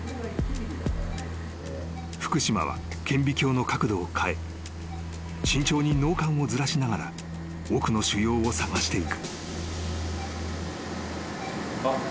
［福島は顕微鏡の角度を変え慎重に脳幹をずらしながら奥の腫瘍を探していく］